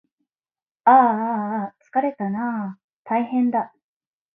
ああああつかれたなああああたいへんだ